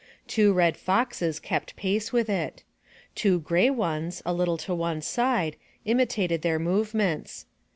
Two red foxes kept pace with it. Two gray ones, a little to one side, imitated their movements.